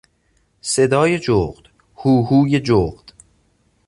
صدای جغد، هوهوی جغد